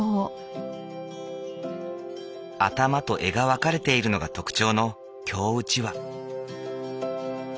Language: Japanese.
頭と柄が分かれているのが特徴の京うちわ。